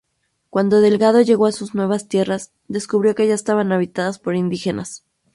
Cuando Delgado llegó a sus nuevas tierras, descubrió que ya estaban habitadas por indígenas.